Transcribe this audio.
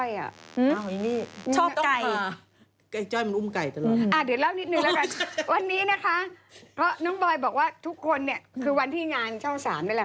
แล้วนั้นจะแย่งเรียนมัธยมอยู่เลยเร็วมากจริงหน้าแหลมตอนนี้เป็นสาวสวย